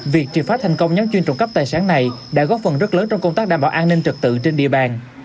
việc trị phát thành công nhóm chuyên trồng cấp tài sản này đã góp phần rất lớn trong công tác đảm bảo an ninh trật tự trên địa bàn